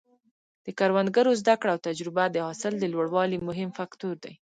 د کروندګرو زده کړه او تجربه د حاصل د لوړوالي مهم فکتور دی.